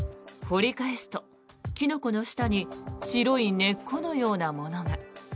掘り返すと、キノコの下に白い根っこのようなものが。